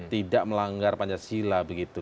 tidak melanggar pancasila begitu